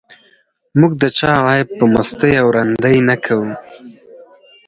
موږ د چا عیب په مستۍ او رندۍ نه کوو.